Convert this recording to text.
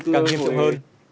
càng nghiêm trọng hơn